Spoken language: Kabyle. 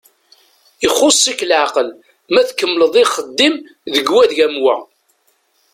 Ixuss-ik leɛqel ma tkemmleḍ ixeddim deg wadeg am wa.